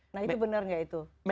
nah itu benar gak itu